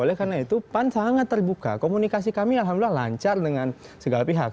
oleh karena itu pan sangat terbuka komunikasi kami alhamdulillah lancar dengan segala pihak